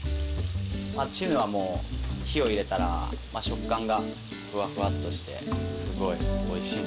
チヌはもう火を入れたら食感がフワフワッとしてすごいおいしいんで。